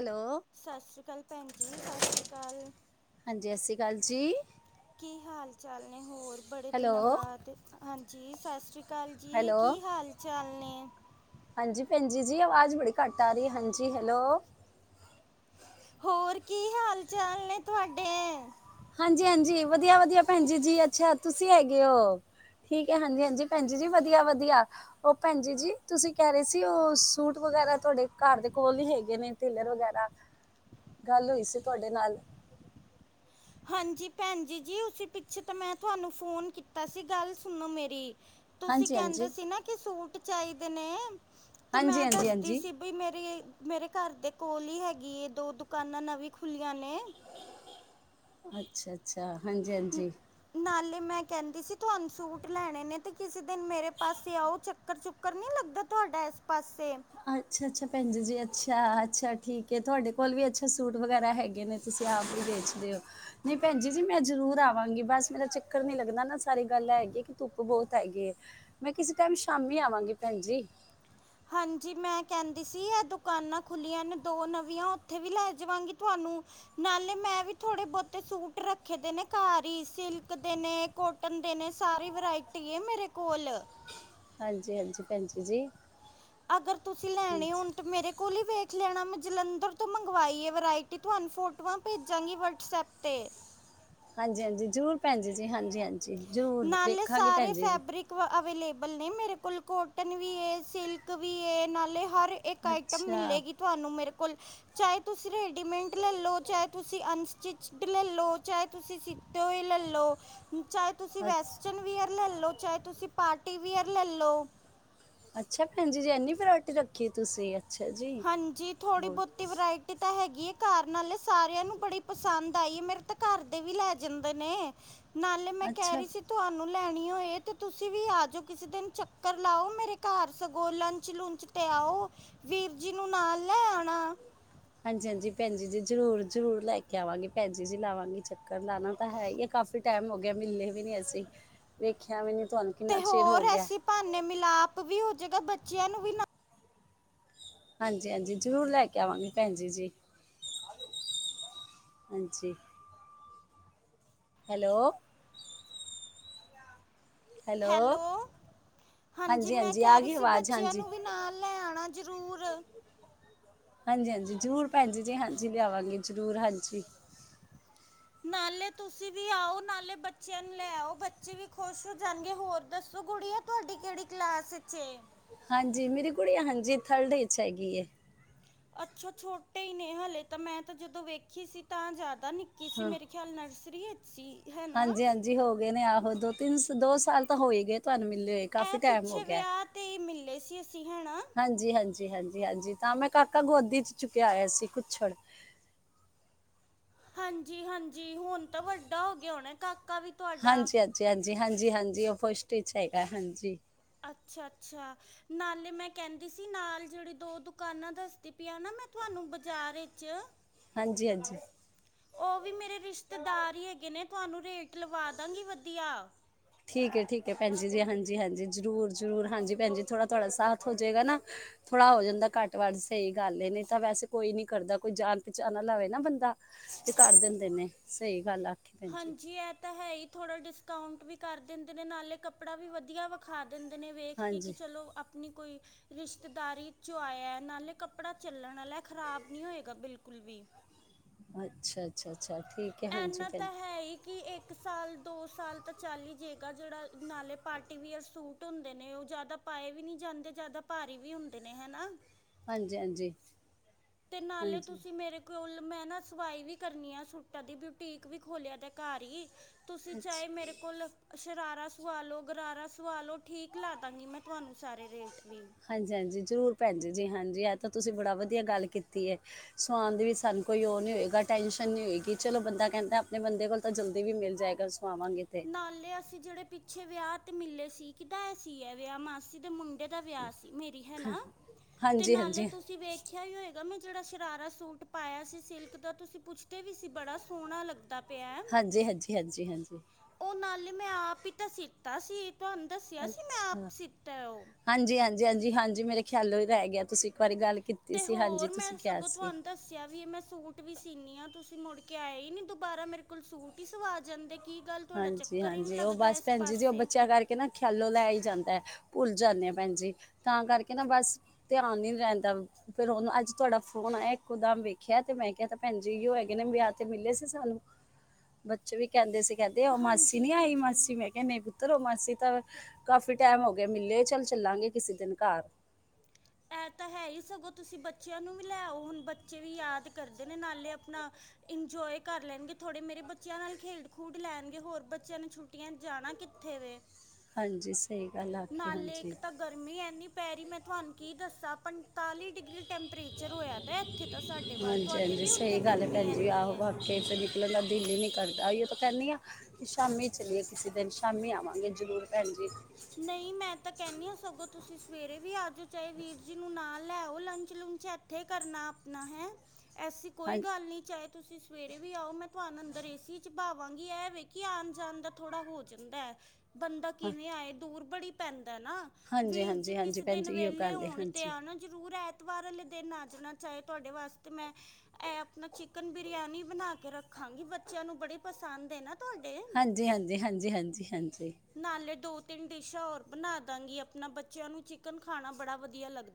Hello ਸਤਿ ਸ੍ਰੀ ਅਕਾਲ ਭੈਣ ਜੀ, ਸਤਿ ਸ੍ਰੀ ਅਕਾਲ। ਹਾਂਜੀ ਸਤਿ ਸ਼੍ਰੀ ਅਕਾਲ ਜੀ। ਕੀ ਹਾਲ ਚਾਲ ਨੇ ਹੋਰ? ਬੜੇ ਦਿਨਾਂ ਹੈਲੋ ਬਾਅਦ ਹਾਂ ਜੀ ਸਤਿ ਸ਼੍ਰੀ ਕਾਲ ਜੀ, ਹੈਲੋ ਕੀ ਹਾਲ ਚਾਲ ਨੇ? ਹਾਂਜੀ ਭੈਣ ਜੀ ਜੀ ਆਵਾਜ਼ ਬੜੀ ਘੱਟ ਆ ਰਹੀ, ਹਾਂਜੀ ਹੈਲੋ। ਹੋਰ ਕੀ ਹਾਲ ਚਾਲ ਨੇ ਤੁਹਾਡੇ? ਹਾਂਜੀ ਹਾਂਜੀ, ਵਧੀਆ ਵਧੀਆ ਭੈਣ ਜੀ, ਜੀ ਅੱਛਾ ਤੁਸੀਂ ਹੈਗੇ ਹੋ, ਠੀਕ ਹੈ ਹਾਂਜੀ ਹਾਂਜੀ ਭੈਣ ਜੀ, ਜੀ ਵਧੀਆ ਵਧੀਆ, ਉਹ ਭੈਣ ਜੀ, ਜੀ ਤੁਸੀਂ ਕਹਿ ਰਹੇ ਸੀ ਉਹ ਸੂਟ ਵਗੈਰਾ ਤੁਹਾਡੇ ਘਰ ਦੇ ਕੋਲ ਹੀ ਹੈਗੇ ਨੇ, ਟੇਲਰ ਵਗੈਰਾ ਗੱਲ ਹੋਈ ਸੀ ਤੁਹਾਡੇ ਨਾਲ ਹਾਂਜੀ ਭੈਣ ਜੀ, ਜੀ ਉਸੀ ਪਿੱਛੇ ਤਾਂ ਮੈਂ ਤੁਹਾਨੂੰ ਫੋਨ ਕੀਤਾ ਸੀ ਗੱਲ ਸੁਣੋ ਮੇਰੀ। ਤੁਸੀਂ ਹਾਂਜੀ ਹਾਂਜੀ ਕਹਿੰਦੇ ਸੀ ਨਾ ਕਿ ਸੂਟ ਚਾਹੀਦੇ ਨੇ ਤੇ ਹਾਂਜੀ ਮੈਂ ਹਾਂਜੀ ਦੱਸਦੀ ਹਾਂਜੀ ਸੀ ਬਈ ਮੇਰੀ ਮੇਰੇ ਘਰ ਦੇ ਕੋਲ ਹੀ ਹੈਗੀ ਏ, ਦੋ ਦੁਕਾਨਾਂ ਨਵੀਂ ਖੁੱਲੀਆਂ ਨੇ। ਅੱਛਾ। ਅੱਛਾ। ਹਾਂਜੀ, ਨ- ਹਾਂਜੀ ਨਾਲੇ ਮੈਂ ਕਹਿੰਦੀ ਸੀ ਤੁਹਾਨੂੰ ਸੂਟ ਲੈਣੇ ਨੇ ਤੇ, ਕਿਸੇ ਦਿਨ ਮੇਰੇ ਪਾਸੇ ਆਓ ਚੱਕਰ ਚੁੱਕਰ ਨੀ ਲੱਗਦਾ ਤੁਹਾਡਾ ਇਸ ਪਾਸੇ ਅੱਛਾ, ਅੱਛਾ ਭੈਣ ਜ ਜੀ ਅੱਛਾ, ਅੱਛਾ ਠੀਕ ਹੈ ਤੁਹਾਡੇ ਕੋਲ ਵੀ ਅੱਛਾ ਸੂਟ ਵਗੈਰਾ ਹੈਗੇ ਨੇ ਤੁਸੀਂ ਆਪ ਹੀ ਵੇਚਦੇ ਹੋ ਨਹੀਂ ਭੈਣ ਜੀ ਜੀ। ਮੈਂ ਜ਼ਰੂਰ ਆਵਾਂਗੀ ਬਸ ਮੇਰਾ ਚੱਕਰ ਨੀ ਲੱਗਦਾ ਨਾ। ਸਾਰੀ ਗੱਲ ਹੈਗੀ ਹੈ ਕਿ ਧੁੱਪ ਬਹੁਤ ਹੈਗੀ ਹੈ। ਮੈਂ ਕਿਸੇ ਟਾਈਮ ਸ਼ਾਮੀ ਆਵਾਂਗੀ ਭੈਣ ਜੀ। ਹਾਂਜੀ ਮੈਂ ਕਹਿੰਦੀ ਸੀ, ਇਹ ਦੁਕਾਨਾਂ ਖੁਲੀਆਂ ਨੇ ਦੋ ਨਵੀਆਂ ਓਥੇ ਵੀ ਲੈ ਜਾਵਾਂਗੀ ਤੁਹਾਨੂੰ ਨਾਲੇ ਮੈਂ ਵੀ ਥੋੜੇ ਬੋਤੇ ਸੂਟ ਰੱਖੇ ਦੇ ਨੇ ਘਰ ਹੀ ਸਿਲਕ ਦੇ ਨੇ ਕੋਟਨ ਦੇ ਨੇ ਸਾਰੀ ਵਰਾਇਟੀ ਆ ਮੇਰੇ ਕੋਲ ਹਾਂਜੀ, ਹਾਂਜੀ ਭੈਣਜੀ ਜੀ। ਅਗਰ ਤੁਸੀਂ ਲੈਣੇ ਹਾਂਜੀ, ਹੁਣ ਤੇ ਮੇਰੇ ਕੋਲ ਹੀ ਵੇਖ ਲੈਣਾ ਮੈਂ ਜਲੰਧਰ ਤੋਂ ਮੰਗਵਾਈ ਆ ਵਰਾਇਟੀ ਤੁਹਾਨੂੰ ਫੋਟੋਆਂ ਭੇਜਾਂਗੀ ਵਟਸਐਪ ਤੇ ਹਾਂਜੀ, ਹਾਂਜੀ ਜ਼ਰੂਰ ਭੈਣ ਜੀ ਹਾਂਜੀ, ਹਾਂਜੀ ਜ਼ਰੂਰ ਨਾਲੇ ਵੇਖਾਂਗੀ ਭੈਣ ਸਾਰੇ ਜੀ ਜੀ। ਫੈਬਰਿਕ ਵ ਅਵੇਲੇਬਲ ਨੇ ਮੇਰੇ ਕੋਲ ਕੋਟਨ ਵੀ ਹੈ ਸਿਲਕ ਵੀ ਹੈ ਨਾਲੇ ਹਰ ਇੱਕ ਆਈਟਮ ਅੱਛਾ, ਮਿਲੇਗੀ ਤੁਹਾਨੂੰ ਮੇਰੇ ਚਾਹੇ ਤੁਸੀਂ ਰੈਡੀਮੇਟ ਲੈ ਲਓ ਚਾਹੇ ਤੁਸੀਂ ਅਨਸਟਿਚਡ ਲੈ ਲਓ ਚਾਹੇ ਤੁਸੀਂ ਸਿੱਤੇ ਹੋਏ ਲੈ ਲਓ ਚਾਹੇ ਤੁਸੀਂ ਅੱਛ ਵੈਸਟਰਨ ਵੀ ਲੈ ਲੋ ਚਾਹੇ ਤੁਸੀਂ ਪਾਰਟੀਵਅਰ ਲੈ ਲੋ ਅੱਛਾ ਭੈਣ ਜੀ ਐਨੀ ਫੋਟੀ ਰੱਖੀ ਤੁਸੀਂ ਅੱਛਾ ਜੀ। ਹਾਂਜੀ ਥੋੜੀ ਬਹੁਤੀ ਬਹੁਤ ਵਰਾਇਟੀ ਤਾਂ ਹੈਗੀ। ਘਾਰ ਨਾਲੇ ਸਾਰਿਆਂ ਨੂੰ ਬੜੀ ਪਸੰਦ ਆਈ ਹੈ, ਮੇਰੇ ਤਾਂ ਘਰ ਦੇ ਵੀ ਲੈ ਜਾਂਦੇ ਨੇ ਨਾਲੇ ਮੈਂ ਕਹਿ ਅੱਛਾ ਰਹੀ ਸੀ ਤੁਹਾਨੂੰ ਲੈਣੀ ਹੋਏ ਤੇ ਤੁਸੀਂ ਵੀ ਆ ਜਾਓ ਕਿਸੇ ਦਿਨ ਚੱਕਰ ਲਾਓ ਮੇਰੇ ਘਰ ਸਗੋਂ ਲੰਚ ਲੁਚ ਤੇ ਆਓ ਵੀਰ ਜੀ ਨੂੰ ਨਾਲ ਲੈ ਆਉਣਾ। ਹਾਂਜੀ, ਹਾਂਜੀ ਭੈਣ ਜੀ ਜੀ ਜ਼ਰੂਰ, ਜ਼ਰੂਰ ਲੈ ਕੇ ਆਵਾਂਗੇ ਭੈਣ ਜੀ ਜੀ ਲਾਵਾਂਗੇ ਚੱਕਰ ਲਾਣਾ ਤਾਂ ਹੈ ਹੀ ਆ ਕਾਫੀ ਟਾਈਮ ਹੋ ਗਿਆ, ਮਿਲਲੇ ਵੀ ਨੀ ਅਸੀਂ ਵੇਖਿਆ ਵੀ ਨੀ ਤੇ ਹੋਰ ਐਸੀ ਭਾਨੇ ਮਿਲਾਪ ਵੀ ਹੋਜਗਾ ਬਟ ਬੱਚਿਆਂ ਨੂੰ ਵੀ ਨਾ ਹਾਂਜੀ, ਹਾਂਜੀ ਜ਼ਰੂਰ ਲੈ ਕੇ ਆਵਾਂਗੀ, ਭੈਣ ਜੀ ਜੀ ਹਾਂਜੀ। ਹੈਲੋ। ਹੈਲੋ, ਹਾਂਜੀ ਮੈਂ ਆ ਕਹਿ ਰਹੀ ਗਈ ਸੀ ਆਵਾਜ਼ ਬੱਚਿਆਂ ਹਾਂਜੀ ਨੂੰ ਵੀ ਨਾਲ ਲੈ ਆਣਾ। ਜ਼ਰੂਰ। ਹਾਂਜੀ, ਹਾਂਜੀ ਜ਼ਰੂਰ ਭੈਣ ਜੀ ਜੀ ਹਾਂਜੀ ਲਿਆਵਾਂਗੇ ਜ਼ਰੂਰ ਹਾਂਜੀ। ਨਾਲੇ ਤੁਸੀਂ ਵੀ ਆਓ ਨਾਲੇ ਬੱਚਿਆਂ ਨੂੰ ਲੈ ਆਓ ਬੱਚੇ ਵੀ ਖੁਸ਼ ਹੋ ਜਾਣਗੇ, ਹੋਰ ਦੱਸੋ ਗੁੜੀਆ ਤੁਹਾਡੀ ਕਿਹੜੀ ਕਲਾਸ ਵਿੱਚ ਏ। ਹਾਂਜੀ ਮੇਰੀ ਕੁੜੀ ਹਾਂਜੀ ਥਰਡ ਵਿੱਚ ਹੈਗੀ। ਅੱਛਾ ਛੋਟੇ ਹੀ ਨੇ ਹਲੇ ਤਾਂ, ਮੈਂ ਤਾਂ ਜਦੋਂ ਵੇਖੀ ਸੀ ਤਾਂ ਯਦ ਉਤਾ ਨਿਕਿ ਸੀ ਹਾਂ ਮੇਰੇ ਖਿਆਲ ਨਰਸਰੀ [unintelligible] ਹੈ ਨਾ ਹਾਂਜੀ ਹਾਂਜੀ ਹੋ ਗਏ ਨੇ ਆਹੋ ਦੋ ਤਿੰਨ ਦੋ ਸਾਲ ਤਾਂ ਹੋਏ ਗ। ਤੁਹਾਨੂੰ ਮਿਲਲੇ ਹੋਏ ਇਹ ਕਾਫੀ ਟਾਈਮ ਹੋ ਪਿੱਛੇ ਗਿਆ ਵਿਆਹ ਤੇ ਹੀ ਮਿਲੇ ਸੀ ਅਸੀਂ ਹੈ ਨਾ ਹਾਂਜੀ ਹਾਂਜੀ ਹਾਂਜੀ ਹਾਂਜੀ। ਤਾਂ ਮੈਂ ਕਾਕਾ ਗੋਦੀ ਚ ਚੁੱਕਿਆ ਆਇਆ ਸੀ ਕੁੱਛੜ। ਹਾਂਜੀ ਹਾਂਜੀ ਹੁਣ ਤਾਂ ਵੱਡਾ ਹੋ ਗਿਆ ਹੋਣਾ ਕਾ ਹਾਂਜੀ ਹਾਂਜੀ ਹਾਂਜੀ। ਜੀ ਹਾਂਜੀ ਹਾਂਜੀ ਉਹ ਫਸਟ ਹੈਗਾ ਹਾਂਜੀ। ਅੱਛਾ ਅੱਛਾ ਨਾਲੇ ਮੈਂ ਕਹਿੰਦੀ ਸੀ ਨਾਲ ਜਿਹੜੀ ਦੋ ਦੁਕਾਨਾਂ ਦੱਸਦੀ ਪਈ ਆ ਨਾ ਮੈਂ ਤੁਹਾਨੂੰ ਬਾਜ਼ਾਰ ਵਿੱਚ ਹਾਂਜੀ ਹਾਂਜੀ। ਉਹ ਵੀ ਮੇਰੇ ਰਿਸ਼ਤੇਦਾਰ ਹੀ ਹੈਗੇ ਨੇ ਤੁਹਾਨੂੰ ਰੇਟ ਲਵਾ ਦਾਂਗੀ ਵਧੀਆ। ਠੀਕ ਹੈ ਠੀਕ ਹੈ ਭੈਣਜੀ ਜੀ ਹਾਂਜੀ ਹਾਂਜੀ ਜ਼ਰੂਰ ਜਰੂਰ ਹਾਂਜੀ ਭੈਣਜੀ ਥੋੜਾ ਥੋੜਾ ਸਾਥ ਹੋ ਜਾਏਗਾ ਨਾ ਥੋੜਾ ਹੋ ਜਾਂਦਾ ਘੱਟ ਵੱਟ ਸਹੀ ਗੱਲ ਇਹ ਨਹੀਂ ਤਾਂ ਵੈਸੇ ਕੋਈ ਨੀ ਕਰਦਾ ਕੋਈ ਜਾਣ ਪਹਿਚਾਣਾਵੇ ਨਾ ਬੰਦਾ ਤੇ ਕਰ ਦਿੰਦੇ ਨੇ ਸਹੀ ਗੱਲ ਆ। ਹਾਂਜੀ ਇਹ ਤਾਂ ਹੈ ਹੀ ਥੋੜਾ ਡਿਸਕਾਊਂਟ ਵੀ ਕਰ ਦਿੰਦੇ ਨੇ ਨਾਲੇ ਕੱਪੜਾ ਵੀ ਵਧੀਆ ਵਿਖਾ। ਦਿੰਦੇ ਨੇ ਵੇਖ ਕੇ ਕਿ ਹਾਂਜੀ ਚਲੋ ਆਪਣੀ ਕੋਈ ਰਿਸ਼ਤੇਦਾਰੀ ਚ ਆਇਆ ਨਾਲੇ ਕੱਪੜਾ ਚੱਲਣ ਵਾਲਾ ਖ਼ਰਾਬ ਨੀ ਹੋਏਗਾ ਬਿਲਕੁਲ ਵੀ ਅੱਛਾ ਅੱਛਾ। ਅੱਛਾ ਠੀਕ ਹੈ ਹਾਂਜੀ ਭੈ ਕੀ ਇੱਕ ਸਾਲ ਦੋ ਸਾਲ ਤਾਂ ਚਾਲ ਹੀ ਜਾਏਗਾ ਜਿਹੜਾ ਨਾਲੇ ਪਾਰਟੀ ਵਅਰ ਸੂਟ ਹੁੰਦੇ ਨੇ ਉਹ ਜਿਆਦਾ ਪਾਏ ਵੀ ਨੀ ਜਾਂਦੇ ਜਿਆਦਾ ਭਾਰੀ ਵੀ ਹੁੰਦੇ ਨੇ ਹਨਾ। ਹਾਂਜੀ ਹਾਂਜੀ। ਤੇ ਨਾਲੇ ਹਾਂਜੀ ਤੁਸੀਂ ਮੇਰੇ ਕੋਲ ਮੈਂ ਨਾ ਸਵਾਈ ਵੀ ਕਰਨੀ ਆ ਸੂਟਾਂ ਦੀ ਬਿਊਟੀਕ ਵੀ ਖੋਲਿਆ ਤੇ ਘਰ ਹੀ ਤੁਸੀਂ ਚਾਹੇ ਅੱਛਾ ਮੇਰੇ ਕੋਲ ਸ਼ਰਾਰਾ ਸਵਾ ਲਉ ਗਰਾਰਾ ਸਵਾ ਲਓ ਠੀਕ ਲਾ ਦਾਂਗੀ ਮੈਂ ਤੁਹਾਨੂੰ ਸਾਰੇ ਰੇਟ ਵੀ ਹਾਂਜੀ ਹਾਂਜੀ ਜ਼ਰੂਰ ਭੈਣ ਜ ਜੀ ਹਾਂਜੀ। ਤਾਂ ਤੁਸੀਂ ਬੜਾ ਵਧੀਆ ਗੱਲ ਕੀਤੀ ਹੈ ਸੁ ਆਉਣ ਦੇ ਵਿੱਚ ਸਾਨੂੰ ਕੋਈ ਉਹ ਨਹੀਂ ਹੋਏਗਾ ਟੈਂਨਸ਼ਨ ਨਹੀਂ ਹੋਏਗੀ ਚਲੋ ਬੰਦਾ ਕਹਿੰਦਾ ਆਪਣੇ ਬੰਦੇ ਕੋਲ ਤਾਂ ਜਲਦੀ ਵੀ ਮਿਲ ਜਾਏਗਾ। ਸਵਾਵਾਂਗੇ ਤੇ। ਨਾਲੇ ਅਸੀਂ ਜਿਹੜੇ ਪਿੱਛੇ ਵਿਆਹ ਤੇ ਮਿੱਲੇ ਸੀ ਕਿੱਦਾਂ ਇਹ ਸੀ ਹੈ ਵਿਆਹ ਮਾਸੀ ਦੇ ਮੁੰਡੇ ਦਾ ਵਿਆਹ ਸੀ। ਮੇਰੀ ਹੈ ਨਾ ਤੇ ਹਾਂਜੀ, ਨਾਲੇ ਹਾਂਜੀ, ਤੁਸੀਂ ਵੇਖਿਆ ਹੀ ਹੋਏਗਾ ਮੈਂ ਜਿਹੜਾ ਸ਼ਰਾਰਾ ਸੂਟ ਪਾਇਆ ਸੀ ਸਿਲਕ ਦਾ ਤੁਸੀਂ ਪੁੱਛਦੇ ਵੀ ਸੀ ਬੜਾ ਸੋਹਣਾ ਲੱਗਦਾ। ਪਿਆ ਹੈ। ਹਾਂਜੀ ਹਾਂਜੀ ਹਾਂਜੀ ਹਾਂਜੀ। ਨਾਲ ਮੈਂ ਆਪ ਹੀ ਤਾਂ ਸੀਤਾ ਸੀ। ਤੁਹਾਨੂੰ ਦੱਸਿਆ ਸੀ ਮੈਂ ਅੱਛਾ ਆਪ ਸੀਤਾ ਹੈ ਉਹ ਹਾਂਜੀ ਹਾਂਜੀ ਹਾਂਜੀ ਹਾਂਜੀ ਮੇਰੇ ਖਿਆਲੋ ਹੀ ਰਹਿ ਗਿਆ ਤੁਸੀਂ ਬਾਰੇ ਗੱਲ ਕੀਤੀ ਤੇ ਸੀ ਹਾਂਜੀ ਹੋਰ ਤੁਸੀਂ ਮੈਂ ਕਿਹਾ ਸੀ। ਸੀਨੀਆਂ ਤੁਸੀਂ ਮੁੜ ਕੇ ਆਏ ਹੀ ਨੀ ਦੁਬਾਰਾ ਮੇਰੇ ਕੋਲ ਸੂਟ ਹੀ ਸਵਾ ਜਾਂਦੇ ਕੀ ਗੱਲ ਤੁਹਾਡਾ ਹਾਂਜੀ ਚੱਕਰ ਹੀ ਨਹੀਂ ਹਾਂਜੀ ਉਹ ਲੱਗਦਾ ਬਸ ਇਸ ਭੈਣ ਜੀ ਜੀ ਉਹ ਪਾਸੇ ਬੱਚਿਆਂ ਕਰਕੇ ਨਾ ਖਿਆਲੋ ਲੈ ਹੀ ਜਾਂਦਾ ਭੁੱਲ ਜਾਂਦੇ ਆ ਭੈਣਜੀ ਤਾਂ ਕਰਕੇ ਨਾ ਬਸ ਧਿਆਨ ਨ ਰਹਿੰਦਾ ਫੇਿਰ ਉਹਨੂੰ ਅੱਜ ਤੁਹਾਡਾ ਫੋਨ ਆਇਆ ਇੱਕ ਉਦਮ ਵੇਖਿਆ ਤੇ ਮੈਂ ਕਿਹਾ ਭੈਣਜੀ ਹੈਗੇ ਨੇ ਵਿਆਹ ਤੇ ਮਿਲੇ ਸੀ ਸਾਨੂੰ ਬੱਚੇ ਵੀ ਕਹਿੰਦੇ ਸੀ ਕਹਿੰਦੇ ਉਹ ਮਾਸੀ ਹਾਂਜੀ ਨੀ ਆਈ ਹਾਂਜੀ ਮਾਸੀ ਮੈਂ ਕਿਹਾਹਿੰਦੇ ਪੁੱਤਰ ਉਹ ਮਾਸੀ ਤਾਂ ਕਾਫੀ ਟਾਈਮ ਹੋ ਗਿਆ ਮਿਲੇ। ਚੱਲ ਚੱਲਾਂਗੇ ਕਿਸੇ ਦਿਨ ਘਰ ਇਹ ਤਾਂ ਹੈ ਹੀ ਸਗੋਂ ਤੁਸੀਂ ਬੱਚਿਆਂ ਨੂੰ ਵੀ ਲੈਓ ਹੁਣ ਬੱਚੇ ਵੀ ਯਾਦ ਕਰਦੇ ਨੇ। ਨਾਲੇ ਆਪਣਾ ਇੰਜੋਏ ਕਰ ਲੈਣਗੇ ਥੋੜੇ। ਮੇਰੇ ਬੱਚਿਆਂ ਨਾਲ ਖੇਡ ਖੂਡ ਲੈਣਗੇ। ਹੋਰ ਬੱਚਿਆਂ ਨੇ ਛੁੱਟੀਆਂ ਜਾਣਾ ਕਿੱਥੇ ਵੇ ਹਾਂਜੀ ਸਹੀ ਗੱਲ ਆਖੀ ਨਾਲੇ ਹਾਂਜੀ ਇੱਕ ਤਾਂ ਗਰਮੀ ਐਨੀ ਪੈ ਰਹੀ ਮੈਂ ਤੁਹਾਨੂੰ ਕੀ ਦੱਸਾਂ ਪੰ ਤਤਾਲੀ ਡਿਗਰੀ ਟੈਂਪਰੇਚਰ ਹੋਇਆ ਦਾ ਇੱਥੇ ਤਾਂ ਸਾਡੇ ਵੱਲ। ਹਾਂਜੀ ਤੁਹਾਡੇ ਹਾਂਜੀ ਵੀ ਉੱਥੇ ਸਹੀ ਗੱਲ ਹੈ ਗਰਮੀ ਭੈਣ ਜੀ ਇਨੀ ਆਹੋ ਹੈ ਵਾਕਈ ਤੇ ਨਿਕਲਣ ਦਾ ਦਿਲ ਹੀ ਨਹੀਂ ਕਰਦਾ ਇਹ ਤਾਂ ਕਹਿੰਦੀ ਹ ਕਿ ਸ਼ਾਮ ਚਲੀਏ ਕਿਸੇ ਦਿਨ ਸ਼ਾਮੀ ਆਵਾਂਗੇ ਜਰੂਰ ਭੈਣ ਜੀ ਨਹੀਂ ਮੈਂ ਤਾਂ ਕਹਨੀ ਆ ਸਗੋਂ ਤੁਸੀਂ ਸਵੇਰੇ ਵੀ ਆਜ ਚਾਹੇ ਵੀਰ ਜੀ ਨੂੰ ਨਾ ਲੈ ਲੰਚ ਲੁਚ ਇਏਥੇ ਕਰਨਾ ਆਪਣਾ ਹੈ ਐਸੀ ਹਾਂ ਕੋਈ ਗੱਲ ਨਹੀਂ ਚਾਹੇ ਤੁਸੀਂ ਸਵੇਰੇ ਵੀ ਆਓ। ਮੈਂ ਤੁਹਾਨੂੰ ਅੰਦਰ ਏਸੀ [unintelligible] ਵਾਂਗੀ ਇਹ ਵੇ ਕਿ ਆਉਣ ਜਾਣ ਦਾ ਥੋੜ੍ਹਾ ਹੋ ਜਾਂਦਾ ਹੈ ਬੰਦਾ ਹਾਂ- ਕਿਵੇਂ ਆਏ ਦੂ ਬੜੀ ਪੈਂਦੀ ਨਾ ਹਾਂਜੀ ਵੀਰ ਜੀ ਹਾਂਜੀ ਹਾਂਜੀ ਕਿਸੇ ਭੈਣ ਦਿਨ ਜੀ ਇਹੋ ਵੇਲੇ ਗੱਲ ਹੈ ਹੋਣ ਤੇ ਹਾਂਜੀ ਆ ਨਾ ਜ਼ਰੂਰ ਐ ਵਾਰ ਵਾਲੇ ਦਿਨ ਆ ਜਾਣਾ ਚਾਹੇ। ਤੁਹਾਡੇ ਵਾਸਤੇ ਮੈਂ ਇਹ ਆਪਣਾ ਚਿਕਨ ਬਰਿਆਨੀ ਬਣਾ ਕੇ ਰੱਖਾਂਗੀ। ਬੱਚਿਆਂ ਨੂੰ ਬੜੇ ਪਸੰਦ ਹੈ ਨਾ ਤੁਹਾਡੇ ਹਾਂਜੀ, ਹਾਂਜੀ, ਹਾਂਜੀ, ਹਾਂਜੀ, ਹਾਂਜੀ ਨਾਲੇ ਦੋ ਤਿੰਨ ਡਿਸ਼ਾਂ ਹੋਰ ਬਨਾ ਦਾਂਗੀ ਅਪਨਾ ਬੱਚੇਆਂ ਨੂੰ ਚਿਕਨ ਖਾਣਾ ਬੜਾ ਵਧੀਆ ਲੱਗ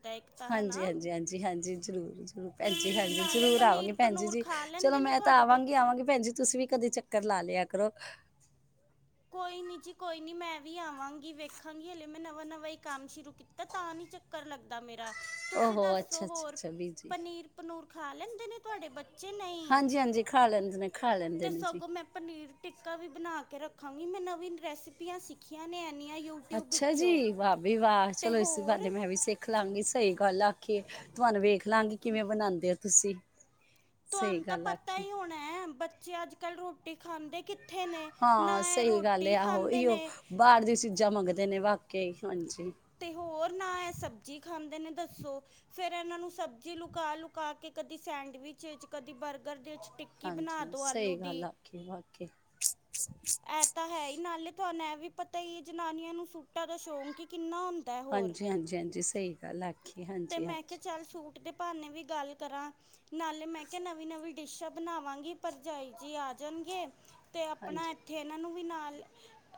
ਹਾਂਜੀ ਹਾਂਜੀ ਹਾਂਜੀ ਹਾਂਜੀ, ਜ਼ਰੂਰ ਜ਼ਰੂਰ ਭੈਣਜੀ, ਹਾਂਜੀ ਨਾਲੇ ਜ਼ਰੂਰ ਆਵਾਂਗੀ ਪਨੀਰ ਭੈਣਜੀ ਪਨੂਰ ਜੀ ਖਾ ਚਲੋ ਲੈਂਦੇ ਨੇ ਮੈਂ ਤਾਂ ਤੁਹਾਡੇ ਆਵਾਂਗੀ ਬੱਚੇ ਆਵਾਂਗੀ ਭੈਣ ਜੀ ਤੁਸੀਂ ਵੀ ਕਦੇ ਚੱਕਰ ਲਾ ਲੇਆ ਕਰੋ। ਕੋਈ ਨੀ ਜੀ, ਕੋਈ ਨੀ ਮੈਂ ਵੀ ਆਵਾਂਗੀ ਵੇਖਾਂਗੀ ਹਲੇ ਮੈਂ ਨਵਾਂ ਨਵਾਂ ਹੀ ਕੰਮ ਸ਼ੁਰੂ ਕੀਤਾ ਤਾਂ ਨੀ ਚੱਕਰ ਲੱਗਦਾ ਮੇਰਾ। ਤੁਸੀ ਓਹੋ ਦੱਸੋ ਅੱਛਾ ਅੱਛਾ ਹੋਰ ਅੱਛਾ ਵੀਰ ਜੀ ਪਨੀਰ ਪਨੂਰ ਖਾ ਲੈਂਦੇ ਨੇ ਤੁਆਡੇ ਬ ਹਾਂਜੀ ਹਾਂਜੀ, ਖਾ ਲੈਂਦੇ ਨੇ, ਖਾ ਲੈਂਦੇ ਤੇ ਨੇ ਜੀ। ਸਗੋਂ ਮੈਂ ਪਨੀਰ ਟਿੱਕਾ ਵੀ ਬਨਾ ਕੇ ਰ ਖਾਂਗੀ ਮੈਂ ਨਵੀਨ ਰੈਸਪੀਆਂ ਸਿੱਖੀਆਂ ਨੇ ਐਨੀ ਅੱਛਾ ਜੀ, ਵਾ ਬੀ ਵਾਹ ਤੇ ਚਲੋ ਇਸੀ ਬਾਨੇ ਹੋਰ ਮੈਂ ਵੀ ਸਿੱਖ ਲਾਂਗੀ ਸਹੀ ਗੱਲ ਆ ਕੇ, ਤੁਆਨੂੰ ਵੇਖ ਲਾਂਗੇ ਕਿਵੇ ਬਣਾਂਦੇ ਹੋ ਤੁਸੀ। ਤੁਹਾਨ ਤਾਂ ਪਤਾ ਹੀ ਹੋਣਾ ਐ ਬੱਚੇ ਅੱਜ-ਕੱਲ ਰੋਟੀ ਖਾਂਦੇ ਕਿੱਥੇ ਨੇ ਨਾ ਹਾਂ, ਇਹ ਸਹੀ ਗੱਲ ਰੋਟੀ ਏ ਆਹੋ ਖਾਂਦੇ ਇਓ ਨੇ ਬਾਰ ਦੀ ਚੀਜ਼ਾਂ ਮੰਗਦੇ ਨੇ ਕੇ ਹਾਂਜੀ। ਤੇ ਹੋਰ ਨਾ ਐ ਸਬਜੀ ਖਾਂਦੇ ਨੇ ਦੱਸੋ ਫੇਰ ਐਨਾ ਨੂੰ ਸਬਜੀ ਲੁਕਾ ਲੁਕਾ ਕੇ ਕਦੀ ਸੈਂਡਵਿਚ 'ਚ ਕਦੀ ਬਰਗਰ ਦੇ 'ਚ ਹਾਂਜੀ ਸਹੀ ਗੱਲ ਆਖੀ ਬਾਕੀ ਹ। ਇਹ ਤਾਂ ਹੈ ਹੀ ਨਾਲੇ ਤੁਹਾਨੂੰ ਇਹ ਵੀ ਪਤਾ ਹੀ ਜਨਾਨੀਆਂ ਨੂੰ ਸੂਟਾਂ ਦਾ ਸ਼ੌਂਕ ਕਿ ਹਾਂਜੀ ਹਾਂਜੀ ਹਾਂਜੀ ਸਹੀ ਗੱਲ ਆਖੀ ਤੇ ਹਾਂਜੀ ਮੈਂ ਕਿਹਾ ਹਾਂਜੀ ਚੱਲ ਸੂਟ ਤੇ ਭਾ ਨੇ ਵੀ ਗੱਲ ਕਰਾਂ। ਨਾਲੇ ਮੈਂ ਕਿਹਾ ਨਵੀਂ ਨਵੀਂ ਡਿਸ਼ਾਂ ਬਣਾਵਾਂਗੀ ਭਰਜਾਈ ਜੀ ਆ ਜਾਣਗੇ। ਤੇ ਆਪਣਾ ਹਾਂਜੀ ਇੱਥੇ ਇਹਨਾਂ ਨੂੰ ਵੀ ਨਾਲ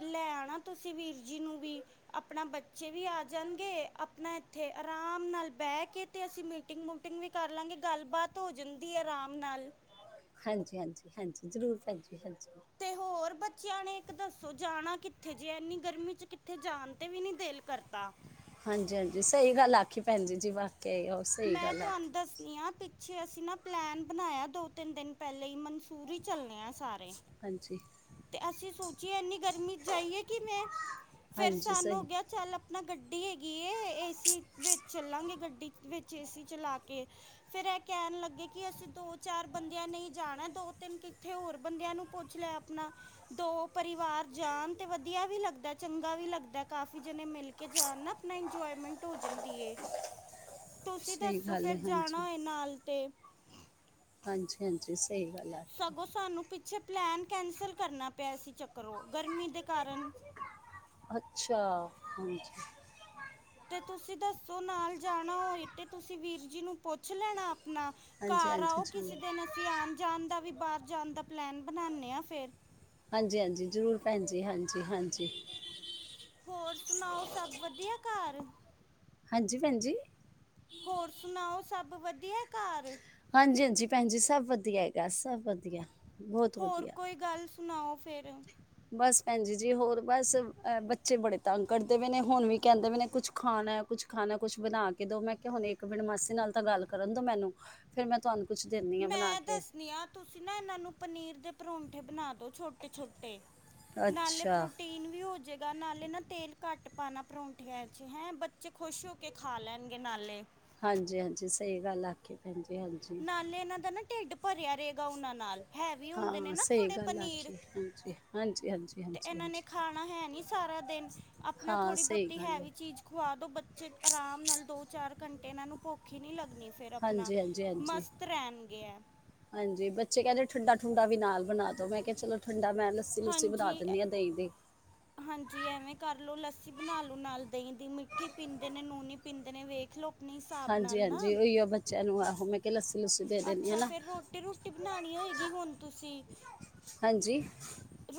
ਲੈ ਆਣਾ। ਤੁਸੀਂ ਵੀਰ ਜੀ ਨੂੰ ਵੀ ਆਪਣਾ ਬੱਚੇ ਵੀ ਆ ਜਾਣਗੇ। ਆਪਣਾ ਇੱਥੇ ਆਰਾਮ ਆਰਾਮ ਨਾਲ ਬਹਿ ਕੇ ਤੇ ਅਸੀਂ ਮੀਟਿੰਗ ਮੂਟਿੰਗ ਵੀ ਕਰ ਲਾਂਗੇ ਗੱਲ ਬਾਾਤ ਹੋ ਜਾਂਦੀ ਹੈ ਆਰਾਮ ਨਾਲ। ਹਾਂਜੀ ਹਾਂਜੀ ਹਾਂਜੀ ਜ਼ਰੂਰ ਭਾਈ। ਤੇ ਹੋਰ ਬੱਚਿਆਂ ਨੇ ਇੱਕ ਦੱਸ ਸੋ ਜਾਣਾ ਕਿੱਥੇ ਜੇ ਇੰਨੀ ਗਰਮੀ ਚ ਕਿੱਥੇ ਜਾਣ ਤੇ ਵੀ ਨੀ ਦਿਲ ਕਰਤਾ। ਹਾਂਜੀ ਹਾਂਜੀ ਸਹੀ ਗੱਲ ਆਖੀ ਭੈਣ ਜ ਜੀ ਬ ਕ ਆ ਸਹੀ ਗੱਲ ਆਖੀ। ਅੱਛੇ ਅਸੀਂ ਨਾ ਪਲੈਨ ਬਣਾਇਆ ਦੋ ਤਿੰਨ ਦਿਨ ਪਹਿਲੇ ਹੀ ਮਨਸੂੂਰ ਹੀ ਚੱਲਣੇ ਆ। ਸਾਰੇ ਹਾਂਜੀ ਤੇ ਅਸੀਂ ਸੋਚੀਨੀ। ਗਰਮੀ ਜਾਈਏ ਕਿਵੇੈਂ ਫਰ ਹਾਂਜੀ ਸਾਨ ਹੋ ਸਹੀ ਗਿਆ ਚੱਲ ਆਪਣਾ ਗੱਡੀ ਗੱਡੀ ਹੈਗੀ ਏਸੀ ਵਿੱਚ ਚੱਲਾਂਗੇ ਗੱਡੀ ਵਿੱਚ ਏਸੀ ਚਲਾ ਕੇ ਫੇਿਰ ਇਹ ਕਹਿਣ ਲੱਗੇ ਕਿ ਅਸੀਂ ਦੋ ਚਾਰ ਬੰਦਿਆਂ ਨਹੀਂ ਜਾਣਾ ਦੋ ਤਿੰਨ ਕਿੱਥੇ ਹੋਰ ਬੰਦਿਆਂ ਨੂੰ ਪੁੱਛ ਲਿਆ ਆਪਣਾ ਦੋ ਪਰਿਵਾਰ ਜਾਣ ਤੇ ਵਧੀਆ ਵੀ ਲੱਗਦਾ ਚੰਗਾ ਵੀ ਲੱਗਦਾ ਕਾਫੀ ਜਣੇ ਮਿਲ ਕੇ ਜਾਣ ਨਾ ਆਪਣਾ ਇੰਜੋਏਮੈਂਟ ਹੋ ਜਾਂਦੀ। ਤੁਸੀਂ ਸਹੀ ਦੱਸੋ ਗੱਲ ਹੈ ਫੇਰ ਹਾਂਜੀ ਜਾਣਾਏ ਨਾਲ ਤੇ ਹਾਂਜੀ ਹਾਂਜੀ। ਸਹੀ ਵਜਾਠ। ਅੱਛਾ ਪਲੈਨ ਕੈਂਸਲ ਕਰਨਾ ਪਿਆ ਸੀ ਚੱਕਰੋਂ। ਗਰਮੀ ਦੇ ਕਾਰਨ ਹੋ। ਤੇ ਤੁਸੀਂ ਦੱਸੋ ਨਾਲ ਜਾਣਾ ਹੋਏ ਤੇ ਤੁਸੀਂ ਵੀਰ ਜੀ ਨੂੰ ਪੁੱਛ ਲੈਣਾ ਆਪ। ਆਪਣਾ ਹਾਂਜੀ ਘਰ ਆ ਹਾਂਜੀ ਉਹ ਜ਼ਰੂਰ ਕਿਸੇ ਦਿਨ ਅਸੀਂ ਆਉਣ ਜਾਣ ਦਾ ਵੀ। ਬਾਹਰ ਜਾਣ ਦਾ ਪਲੈਨ ਬਣਾਉਦੇ ਆਾਂ ਫੇਰ। ਹਾਂਜੀ ਹਾਂਜੀ ਜ਼ਰੂਰ ਭੈਣ ਜੀ ਹਾਂਜੀ ਹਾਂਜੀ। ਹੋਰ ਸੁਣਾਓ ਸਭ ਵਧੀਆ ਘਰ? ਹਾਂਜੀ ਭੈਜੀ। ਧ ਘਰ। ਹਾਂਜੀ ਹਾਂਜੀ, ਭੈਣਜੀ ਸਭ ਵਧੀਆ ਹੈਗਾ ਸਭ ਵਧੀਆ। ਬਹੁਤ ਹੋਰ ਵਧੀਆ ਕੋਈ ਗੱਲ ਸੁਣਾਓ ਫੇਰ? ਬਸ ਭੈਣਜੀ ਜੀ ਹੋਰ ਬਸ ਬੱਚੇ ਬੜੇ ਤੰਗ ਕਰਦੇ ਪੇ ਨੇ ਹੁਣ ਵੀ ਕੈੰਦੇ ਵੇ ਨੇ ਕੁਛ ਖਾਣੈ ਕੁਛ ਖਾਣੈ ਕੁਛ ਬਣਾ ਕੇ ਦੋ ਮੈਂ ਕਿਆ ਹੁਣ ਇੱਕ ਮਿੰਟ ਮਾਸੀ ਨਾਲ ਤਾਂ ਗੱਲ ਕਰਨ ਦੋ ਮੈਨੂੰ। ਫੇਰ ਮੈਂ ਤੁਹਾਨ ਮੈਂ ਦੱਸਣੀ ਆ ਤੁਸੀਂ ਨਾ ਐਨਾਂ ਨੂੰ ਪਨੀਰ ਦੇ ਪਰੌਂਠੇਂ ਬਣਾ ਦੋ ਛੋਟੇ ਛੋਟੇ। ਨਾਲੇ ਅੱਛਾ ਪ੍ਰੋਟੀਨ ਵੀ ਹੋ ਜੇ ਗਾ ਨਾਲੇ ਨਾ ਤੇਲ ਘੱਟ ਪਾਣਾ ਪਰੌਂਠਿਆਂ 'ਇਚ। ਹੈਂ, ਬੱਚੇ ਖੁਸ਼ ਹੋ ਕੇ ਖਾ ਲੈਣਗੇ ਨਾਲੇ। ਹਾਂਜੀ ਹਾਂਜੀ, ਸਹੀ ਗੱਲ ਆਖੀ ਭੈਣਜੀ। ਨਾਲੇ ਐਨਾ ਦਾ ਨਾ ਢਿੱਡ ਭਰਿਆ ਰੇਗਾ ਉਨਾਂ ਨਾਲ ਹੈਵੀ ਹੁੰਦੇ ਨੇ ਹਾਂ ਨਾ ਸਹੀ ਥੋੜੇ ਗੱਲ ਪਨੀਰ। ਆਖੀ ਹਾਂਜੀ ਹਾਂਜੀ ਹਾਂਜੀ ਤੇ ਹਾਂਜੀ ਐਨਾਂ ਨੇ ਹਾਂਜੀ ਖਾਣਾ ਹੈ ਨੀ ਸਾਰਾ ਦੇਨ ਆਪਣਾ ਹਾਂ ਥੋੜ੍ਹੀ ਸਹੀ ਬੌਤੀ ਗੱਲ ਹੈ ਹੈਵੀ ਚੀਜ਼ ਖਵਾ ਦੋ ਬੱਚੇ ਆਰਾਮ ਨਾਲ ਦੋ ਚਾਰ ਘੰਟੇ ਏਨਾਂ ਨੂੰ ਭੁਖ ਈ ਨੀ ਲੱਗ ਣੀ ਫੇਰ ਅਪਣਾ ਹਾਂਜੀ ਹਾਂਜੀ ਹਾਂਜੀ ਮਸਤ ਰੈਣ [unintelligible] ਹਾਂਜੀ ਬੱਚੇ ਕਹਿੰਦੇ ਠੰਡਾਠੁੰਡਾ ਵੀ ਨਾਲ ਬਣਾ ਦੋ ਮੈਂ ਕਿਹਾ ਚਲੋ ਠੰਡਾ ਮੈਂ ਲੱਸੀ ਲੁੱਸੀ ਬਣਾ ਹਾਂਜੀ ਦਿੰਦੀ ਹਾਂ ਦਹੀਂ ਦੀ। ਹਾਂਜੀ ਐਵੇਂ ਕਰ ਲੋ ਲੱਸੀ ਬਣਾ ਲੋ ਨਾਲ ਦਹੀਂ ਦੀ ਮਿੱਠੀ ਪੀਂਦੇ ਨੇ, ਨੂਨੀ ਪੀਂਦੇ ਨੇ ਵੇਖ ਲੋ। ਹਾਂਜੀ, ਹਾਂਜੀ ਉਹੀਓ ਬੱਚਿਆਂ ਨੂੰ ਆਹੋ ਮੈਂ [unintelligible] ਦਿੰਦੀ ਹਾਂ ਅੱਛਾ ਨਾ ਫੇਰ ਰੋਟੀ, ਰੋਟੀ ਬਣਾਉਣੀ ਹੋਏਗੀ ਹੁਣ ਤੁਸੀਂ ਹਾਂਜੀ।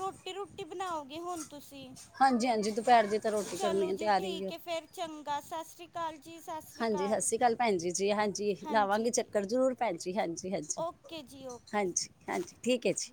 ਰੋਟੀ ਰੂਟੀ ਬਣਾਓਗੇ ਹੁਣ ਤੁਸੀਂ ਹਾਂਜੀ, ਹਾਂਜੀ ਦੁਪਹਿਰ ਜੇ ਤਾਂ ਰੋਟੀ ਕਰਨੀ ਚਲੋ ਆ ਜੀ ਤਿਆਰੀ ਠੀਕ ਆ ਹੈ ਫਿਰ ਚੰਗਾ ਸਤਿ ਸ਼੍ਰੀ ਅਕਾਲ। ਜੀ ਸਤਿ ਸ਼੍ਰੀ ਹਾਂਜੀ ਸਤਿ ਸ੍ਰੀ ਅਕਾਲ ਭੈਣ ਜੀ ਜੀ, ਹਾਂਜੀ ਹਾਂਜੀ ਲਾਵਾਂਗੇ ਜੀ ਚੱਕਰ ਜ਼ਰੂਰ ਭੈਣ ਜੀ ਹਾਂਜੀ। ਹਾਂਜੀ, ਓਕੇ ਜੀ ਓਕੇ ਹਾਂਜੀ, ਹਾਂਜੀ ਠੀਕ ਹੈ ਜੀ।